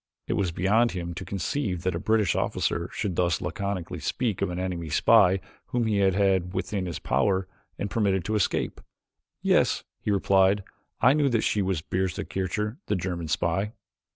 It was beyond him to conceive that a British officer should thus laconically speak of an enemy spy whom he had had within his power and permitted to escape. "Yes," he replied, "I knew that she was Bertha Kircher, the German spy?"